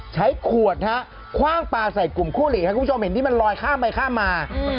ใช้ขวดฮะคว่างปลาใส่กลุ่มคู่หลีครับคุณผู้ชมเห็นที่มันลอยข้ามไปข้ามมา